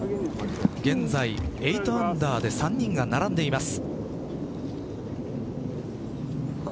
現在８アンダーで３人が並んでいます。